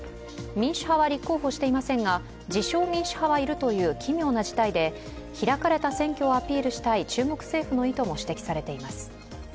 民主派は立候補していませんが、自称・民主派はいるという奇妙な事態で開かれた選挙をアピールしたい中国政府の意図も指摘されています。